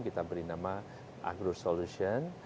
kita beri nama agro solution